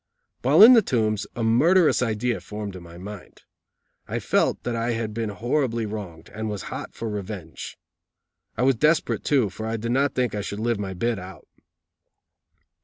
While in the Tombs a murderous idea formed in my mind. I felt that I had been horribly wronged, and was hot for revenge. I was desperate, too, for I did not think I should live my bit out.